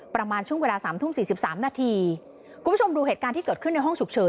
ประมาณช่วงเวลาสามทุ่มสี่สิบสามนาทีคุณผู้ชมดูเหตุการณ์ที่เกิดขึ้นในห้องฉุกเฉิน